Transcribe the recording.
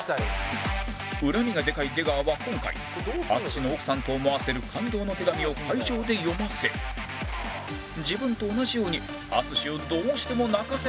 恨みがでかい出川は今回淳の奥さんと思わせる感動の手紙を会場で読ませ自分と同じように淳をどうしても泣かせたいのだ